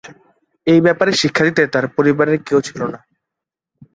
এই ব্যাপারে শিক্ষা দিতে তার পরিবারে কেউ ছিল না।